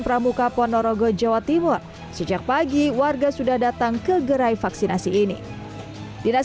pramuka ponorogo jawa timur sejak pagi warga sudah datang ke gerai vaksinasi ini dinas